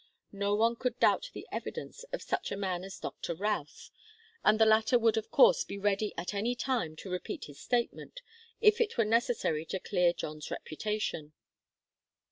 No one could doubt the evidence of such a man as Doctor Routh, and the latter would of course be ready at any time to repeat his statement, if it were necessary to clear John's reputation.